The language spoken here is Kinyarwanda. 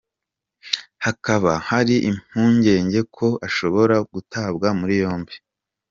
Hakaba hari impungenge ko ashobora gutabwa muri yombi.